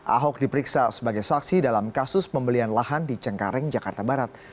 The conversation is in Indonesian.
ahok diperiksa sebagai saksi dalam kasus pembelian lahan di cengkareng jakarta barat